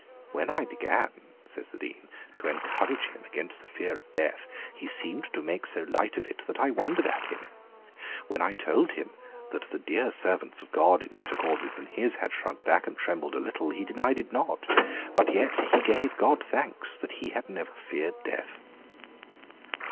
'When I began,' says the Dean, 'to encourage him against the fear of death, he seemed to make so light of it that I wondered at him. When I told him that the dear servants of God, in better causes than his, had shrunk back and trembled a little, he denied it not. But yet he gave God thanks that he had never feared death.'